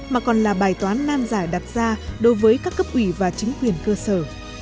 mà còn là bài toán nan giải đặt ra đối với các cấp ủy và chính quyền cơ sở